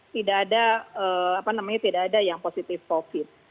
tidak ada apa namanya tidak ada yang positif covid